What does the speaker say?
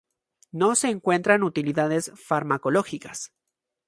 No se encuentran utilidades farmacológicas.